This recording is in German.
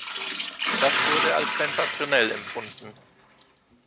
Das wurde als sensationell empfunden.